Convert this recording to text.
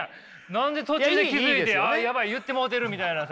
何で途中で気付いてあっやばい言ってもうてるみたいなさ。